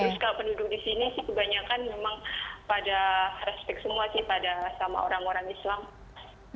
terus kalau penduduk di sini sih kebanyakan memang pada respect semua sih pada sama orang orang islam